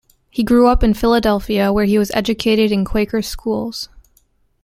He grew up in Philadelphia where he was educated in Quaker schools.